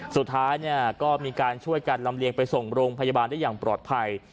สุดท้ายก็ช่วยกันรำเลียงไปส่งการส่งโรงพยาบาลให้ปลอดภัย